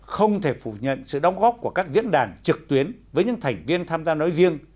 không thể phủ nhận sự đóng góp của các diễn đàn trực tuyến với những thành viên tham gia nói riêng